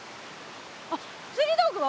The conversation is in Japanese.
あっつり道具は？